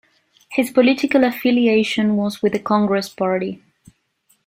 His political affiliation was with the Congress party.